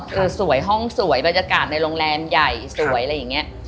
คือสวยห้องสวยบรรยากาศในโรงแรมใหญ่สวยอะไรอย่างนี้